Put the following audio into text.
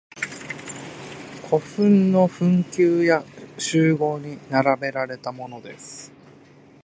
古墳の墳丘や周濠に並べられたものです。